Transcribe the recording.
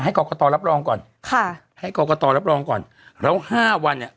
กรกตรับรองก่อนค่ะให้กรกตรับรองก่อนแล้วห้าวันเนี่ย